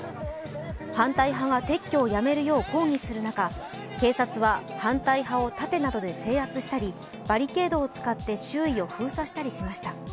反対派が撤去をやめるよう抗議する中警察は反対派を盾などで制圧したりバリケードを使って周囲を封鎖したりしました。